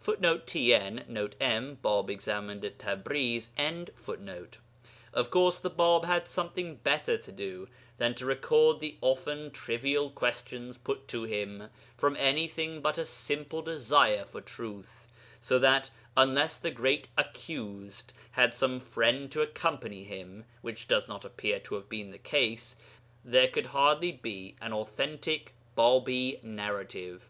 [Footnote: TN, Note M, 'Bāb Examined at Tabriz.'] Of course, the Bāb had something better to do than to record the often trivial questions put to him from anything but a simple desire for truth, so that unless the great Accused had some friend to accompany him (which does not appear to have been the case) there could hardly be an authentic Bābī narrative.